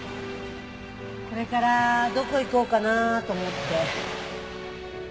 これからどこ行こうかなと思って。